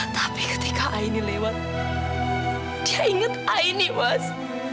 tapi ketika aini lewat dia ingat aini mas